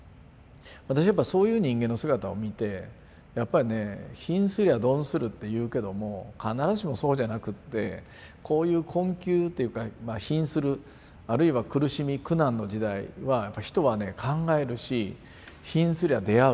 私やっぱりそういう人間の姿を見てやっぱりね「貧すりゃ鈍する」っていうけども必ずしもそうじゃなくってこういう困窮っていうか貧するあるいは苦しみ苦難の時代はやっぱり人はね考えるし貧すりゃ出会う。